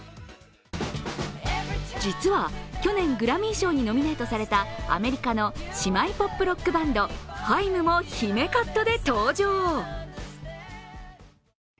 実は、去年グラミー賞にノミネートされたアメリカの姉妹ポップロックバンドＨａｉｍも姫カットで登場。